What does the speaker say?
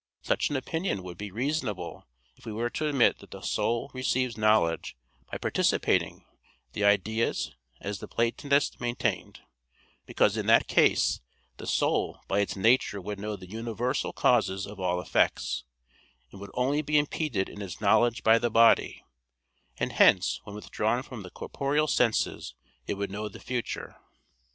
Such an opinion would be reasonable if we were to admit that the soul receives knowledge by participating the ideas as the Platonists maintained, because in that case the soul by its nature would know the universal causes of all effects, and would only be impeded in its knowledge by the body, and hence when withdrawn from the corporeal senses it would know the future.